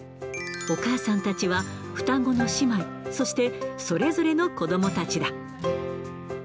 お母さんたちは双子の姉妹、そしてそれぞれの子どもたちだ。